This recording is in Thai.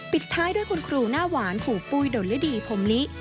ปิดท้ายด้วยคุณครูหน้าหวานครูปุ้ยดนฤดีพรมลิ